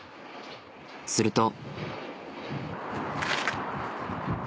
すると。